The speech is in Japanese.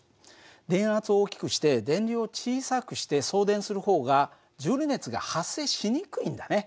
電圧を大きくして電流を小さくして送電する方がジュール熱が発生しにくいんだね。